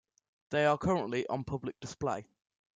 They are currently on public display.